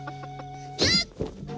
tidak ada yang bisa dihukum